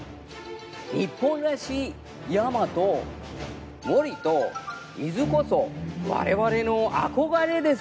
日本らしい山と森と水こそわれわれの憧れです。